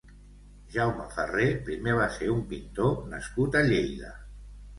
Jaume Ferrer primer va ser un pintor nascut a Lleida.